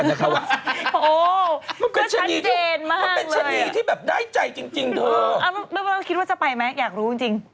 อ้าวพี่มาร์ทคิดว่าจะไปไหมอยากรู้จริง